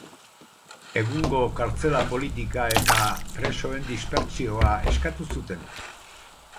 Egungo kartzela-politika eta presoen dispertsioa eskatu zuten.